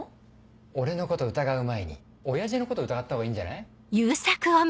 俺のこと疑う前に親父のこと疑った方がいいんじゃない？